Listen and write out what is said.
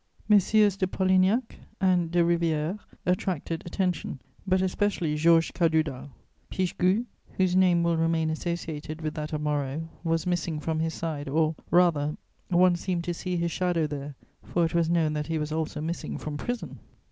Messieurs de Polignac and de Rivière attracted attention, but especially Georges Cadoudal. Pichegru, whose name will remain associated with that of Moreau, was missing from his side, or, rather, one seemed to see his shadow there, for it was known that he was also missing from prison.